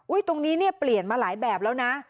ตรงนี้เนี่ยเปลี่ยนมาหลายแบบแล้วนะ